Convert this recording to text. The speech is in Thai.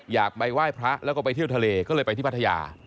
อยากไปไหว้พระแล้วก็ไปเที่ยวทะเลก็เลยไปที่พัทยา